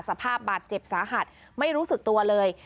สภาพบาดเจ็บสาหัสไม่รู้สึกตัวเลย